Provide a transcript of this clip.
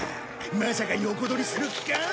まさか横取りする気か？